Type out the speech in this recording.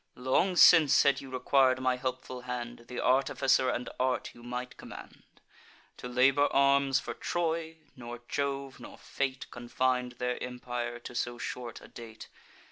Long since, had you requir'd my helpful hand, Th' artificer and art you might command, To labour arms for Troy: nor Jove, nor fate, Confin'd their empire to so short a date.